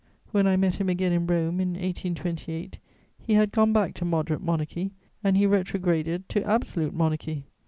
When I met him again in Rome, in 1828, he had gone back to moderate monarchy, and he retrograded to absolute monarchy.